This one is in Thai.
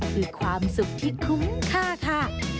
คือความสุขที่คุ้มค่าค่ะ